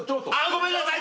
ごめんなさい。